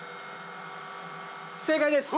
正解です！